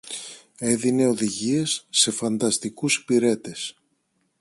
έδινε οδηγίες σε φανταστικούς υπηρέτες